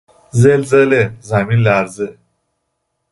زلزله، زمین لرزه